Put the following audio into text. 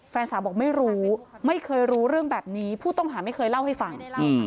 แฟนสาวบอกไม่รู้ไม่เคยรู้เรื่องแบบนี้ผู้ต้องหาไม่เคยเล่าให้ฟัง